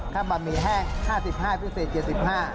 ถ้าบะหมี่แห้ง๕๕พิเศษ๗๕